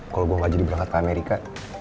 kalo gue ga jadi berangkat ke amerika